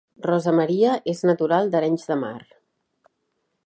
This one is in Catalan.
Rosa Maria és natural d'Arenys de Mar